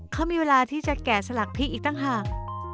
เขามีเวลาที่จะแกะสลักพริกอีกต่างหาก